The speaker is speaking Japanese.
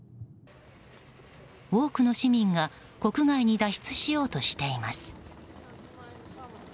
多くの市民が国外に脱出しようとしています。